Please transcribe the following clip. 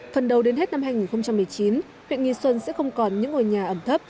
phần đầu đến hết năm hai nghìn một mươi chín huyện nghi xuân sẽ không còn những ngôi nhà ẩm thấp